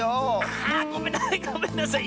あごめんごめんなさい。